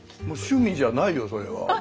趣味じゃないよそれは。